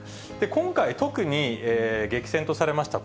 今回、特に激戦とされました